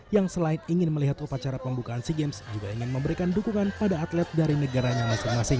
yang selain ingin melihat upacara pembukaan sea games juga ingin memberikan dukungan pada atlet dari negaranya masing masing